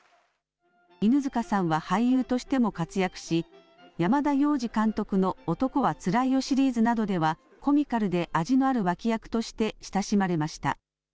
犬塚さんは俳優としても活躍し山田洋次監督の男はつらいよシリーズなどではコミカルで味のある脇役として親しまれました。